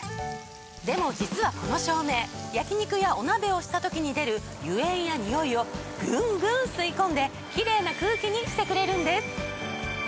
でも実はこの照明焼き肉やお鍋をした時に出る油煙やにおいをグングン吸い込んでキレイな空気にしてくれるんです。